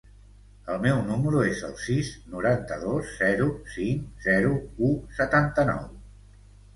El meu número es el sis, noranta-dos, zero, cinc, zero, u, setanta-nou.